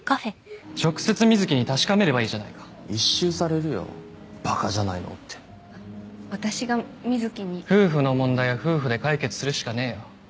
直接瑞貴に確かめればいいじゃないか一蹴されるよバカじゃないのって私が瑞貴に夫婦の問題は夫婦で解決するしかねえよ